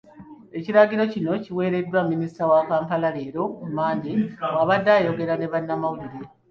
Ekiragiro kino kiweereddwa Minisita wa Kampala, leero ku Mmande, bw'abadde ayogerako ne bannamawulire.